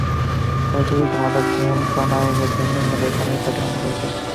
তাঁর বিরুদ্ধে মাদকদ্রব্য নিয়ন্ত্রণ আইনে ফেনী মডেল থানায় ছয়টি মামলা রয়েছে।